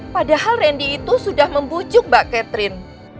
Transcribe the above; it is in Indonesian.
padahal randy itu sudah membujuk mbak catherine